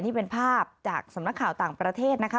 นี่เป็นภาพจากสำนักข่าวต่างประเทศนะคะ